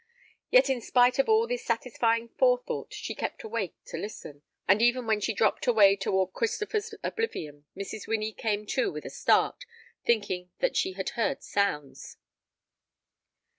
Yet in spite of all this satisfying forethought she kept awake to listen, and even when she dropped away toward Christopher's oblivion Mrs. Winnie came to with a start, thinking that she had heard sounds.